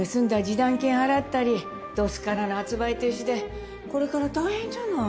示談金払ったりどすからの発売停止でこれから大変じゃない。